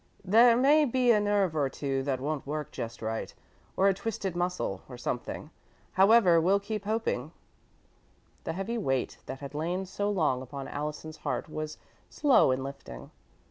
"There may be a nerve or two that won't work just right, or a twisted muscle, or something. However we'll keep hoping." The heavy weight that had lain so long upon Allison's heart was slow in lifting.